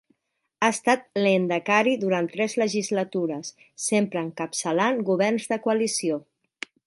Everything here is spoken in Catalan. Ha estat Lehendakari durant tres legislatures, sempre encapçalant governs de coalició.